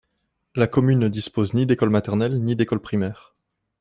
La commune ne dispose ni d'école maternelle ni d'école primaire.